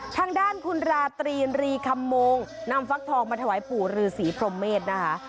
ทางด้านคุณราตรีรีคำมงนำฟักทองมาถวายปู่ฤษีพรหมเมษนะคะ